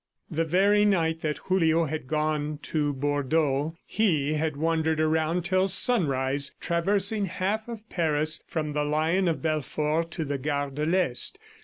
The very night that Julio had gone to Bordeaux, he had wandered around till sunrise, traversing half of Paris, from the Lion of Belfort, to the Gare de l'Est.